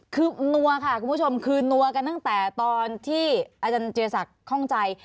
คือนัวค่ะคุณผู้ชมคือนัวกันตั้งแต่ตอนที่อาจารย์เจียศักดิ์ข้องใจ